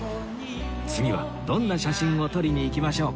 次はどんな写真を撮りにいきましょうか？